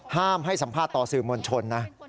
ห้ามให้สัมภาษณ์ต่อสื่อมวลชนนะ